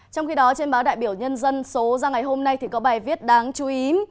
trong khi đó trên báo đại biểu nhân dân số ra ngày hôm nay có bài viết đáng chú ý